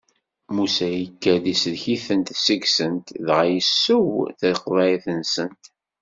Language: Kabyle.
Musa yekker-d isellek-itent seg-sen, dɣa yessew taqeḍɛit-nsent.